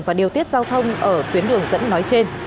và điều tiết giao thông ở tuyến đường dẫn nói trên